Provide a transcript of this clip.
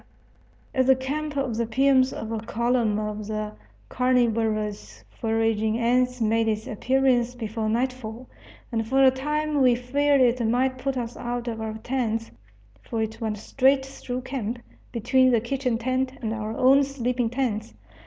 At the camp of the piums a column of the carnivorous foraging ants made its appearance before nightfall, and for a time we feared it might put us out of our tents, for it went straight through camp, between the kitchen tent and our own sleeping tents.